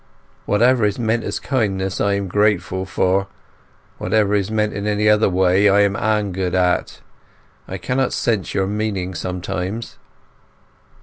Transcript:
Whatever is meant as kindness I am grateful for; whatever is meant in any other way I am angered at. I cannot sense your meaning sometimes."